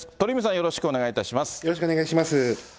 よろしくお願いします。